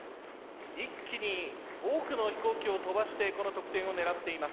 一気に多くの紙飛行機を飛ばしてこの得点を狙っています。